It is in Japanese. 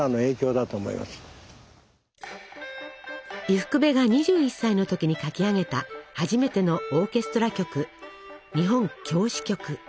伊福部が２１歳の時に書き上げた初めてのオーケストラ曲「日本狂詩曲」。